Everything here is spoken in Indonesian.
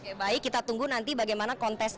oke baik kita tunggu nanti bagaimana kontes